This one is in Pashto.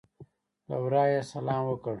له ورایه یې سلام وکړ.